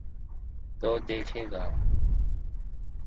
تو دیکھیے گا۔